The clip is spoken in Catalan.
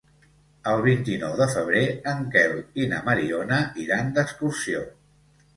El vint-i-nou de febrer en Quel i na Mariona iran d'excursió.